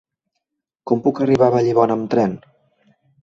Com puc arribar a Vallibona amb tren?